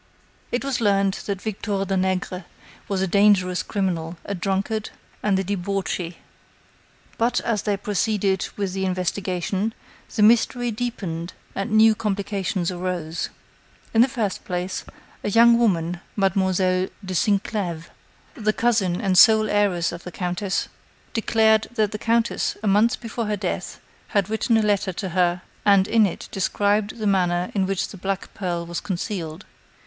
It was learned that Victor Danègre was a dangerous criminal, a drunkard and a debauchee. But, as they proceeded with the investigation, the mystery deepened and new complications arose. In the first place, a young woman, Mlle. De Sinclèves, the cousin and sole heiress of the countess, declared that the countess, a month before her death, had written a letter to her and in it described the manner in which the black pearl was concealed.